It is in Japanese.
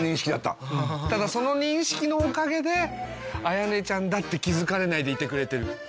ただその認識のおかげで綾音ちゃんだって気付かれないでいてくれてる。